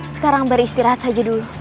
sekarang beristirahat saja dulu